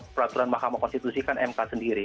peraturan mahkamah konstitusi kan mk sendiri